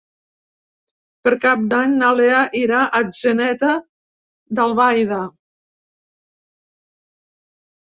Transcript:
Per Cap d'Any na Lea irà a Atzeneta d'Albaida.